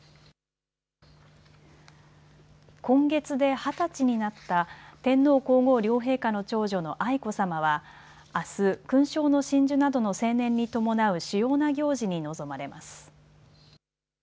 今月で二十歳になった天皇皇后両陛下の長女の愛子さまはあす勲章の親授などの成年に伴う主要な行事に臨まれます。